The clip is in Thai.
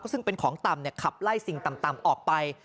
ซึ่งเป็นของต่ำขับไล่สิ่งต่ำออกไป